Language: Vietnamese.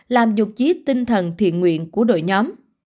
làm dục trí tinh thần thiện nguyện của đội nhóm